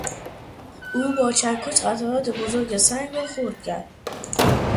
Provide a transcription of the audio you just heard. او با چکش قطعات بزرگ سنگ را خرد کرد.